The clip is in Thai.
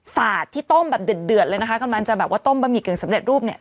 สาดที่ต้มแบบเดือดเลยนะคะกำลังจะแบบว่าต้มบะหมี่กึ่งสำเร็จรูปเนี่ย